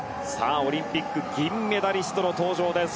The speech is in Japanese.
オリンピック銀メダリストの登場です